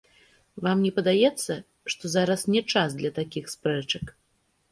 Вам не падаецца, што зараз не час для такіх спрэчак?